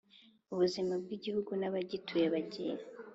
Ubuzima bw igihugu n abagituye bugiye